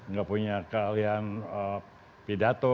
nggak punya keahlian pidato